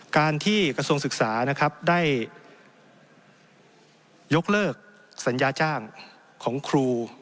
การที่กระทรวงศึกษานะครับได้ยกเลิกสัญญาจ้างของครู